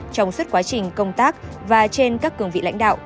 trong suốt quá trình công tác và trên các cường vị lãnh đạo